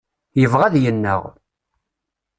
Yebɣa ad yennaɣ.